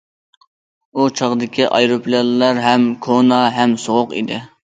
ئۇ چاغدىكى ئايروپىلانلار ھەم كونا، ھەم سوغۇق ئىدى.